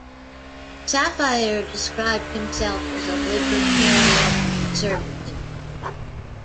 Safire described himself as a libertarian conservative.